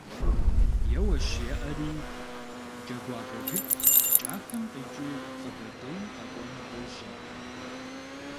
Еуэщ-еӀэри, джэгуакӀуэ гуп КӀахэм къикӀыу Къэбэрдейм къэкӀуэну къожьэ.